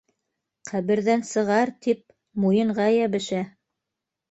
Ҡәберҙән сығар тип муйынға йәбешә!